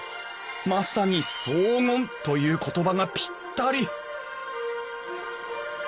まさに荘厳という言葉がピッタリ！